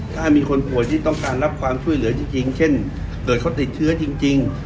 ถ้ามีคนป่วยที่ต้องการรับความช่วยเหลือจริงเช่นเกิดเขาติดเชื้อจริง